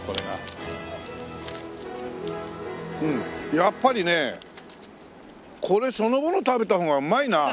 やっぱりねこれそのもの食べた方がうまいな。